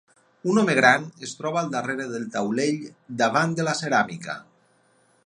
Un home gran es troba al darrere del taulell davant de la ceràmica.